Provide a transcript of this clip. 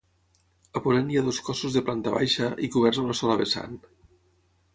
A ponent hi ha dos cossos de planta baixa i coberts a una sola vessant.